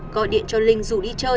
gọi điện cho linh rủ đi chơi